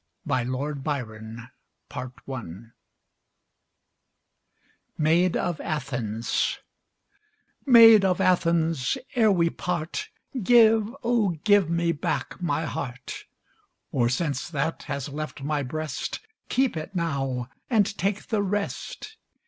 Dudley Warner] MAID OF ATHENS Maid of Athens, ere we part, Give, oh give me back my heart! Or, since that has left my breast, Keep it now, and take the rest!